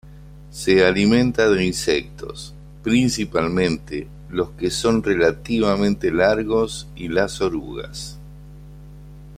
Se alimenta de insectos, principalmente los que son relativamente largos y las orugas.